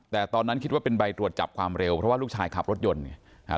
แต่ตอนนั้นคิดว่าเป็นใบตรวจจับความเร็วเพราะว่าลูกชายขับรถยนต์เนี่ยอ่า